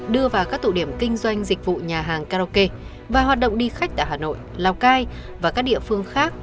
đưa vào các tụ điểm kinh doanh dịch vụ nhà hàng karaoke và hoạt động đi khách tại hà nội lào cai và các địa phương khác